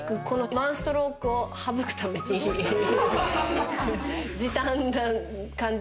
１ストロークを省くために、時短な感じ。